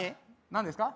何ですか？